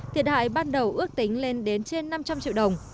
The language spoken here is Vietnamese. thiệt hại ban đầu ước tính lên đến trên năm trăm linh triệu đồng